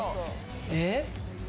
えっ？